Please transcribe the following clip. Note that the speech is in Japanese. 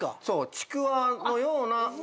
ちくわのような。